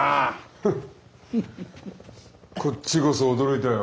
フッこっちこそ驚いたよ。